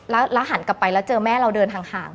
แล้วหันกลับไปแล้วเจอแม่เราเดินทางห่าง